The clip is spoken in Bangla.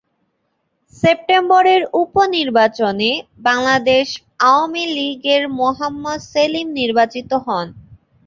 সেপ্টেম্বরের উপ-নির্বাচনে বাংলাদেশ আওয়ামী লীগের মোহাম্মদ সেলিম নির্বাচিত হন।